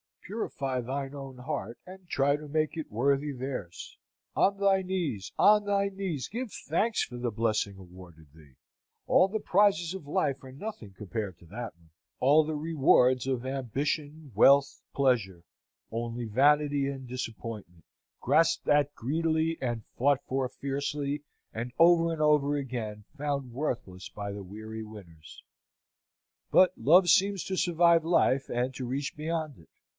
Purify thine own heart, and try to make it worthy theirs. On thy knees, on thy knees, give thanks for the blessing awarded thee! All the prizes of life are nothing compared to that one. All the rewards of ambition, wealth, pleasure, only vanity and disappointment grasped at greedily and fought for fiercely, and, over and over again, found worthless by the weary winners. But love seems to survive life, and to reach beyond it.